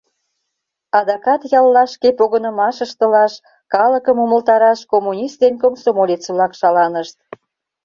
Адакат яллашке погынымаш ыштылаш, калыкым умылтараш коммунист ден комсомолец-влак шаланышт.